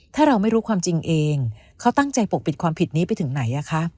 ถ้าเราไม่รู้ความจริงเองเขาตั้งใจปกปิดความผิดนี้ไปถึงไหน